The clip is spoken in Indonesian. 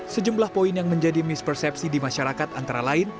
sejumlah poin yang menjadi mispersepsi di masyarakat antara lain